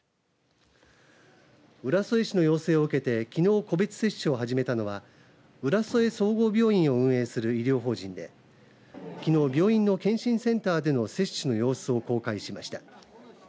浦添市の要請を受けてきのう個別接種を始めたのは浦添総合病院を運営する医療法人できのう病院の健診センターでの接種の様子を公開しました。